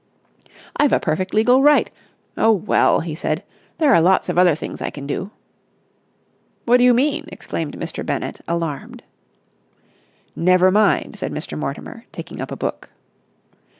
"I've a perfect legal right.... Oh well," he said, "there are lots of other things I can do!" "What do you mean?" exclaimed Mr. Bennett, alarmed. "Never mind!" said Mr. Mortimer, taking up a book.